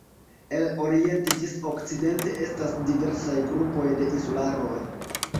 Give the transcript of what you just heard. El oriente ĝis okcidente estas diversaj grupoj de insularoj.